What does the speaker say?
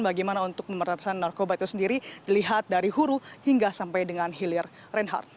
bagaimana untuk memeratasan narkoba itu sendiri dilihat dari huru hingga sampai dengan hilir reinhardt